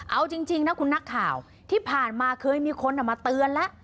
เอาจริงนะคุณนักข่าวที่ผ่านมาเคยมีคนมาเตือนแล้ว